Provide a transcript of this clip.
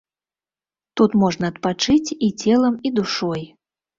Тут можна адпачыць і целам, і душой.